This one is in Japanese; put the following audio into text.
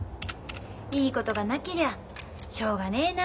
いいことがなけりゃ「しょうがねえな。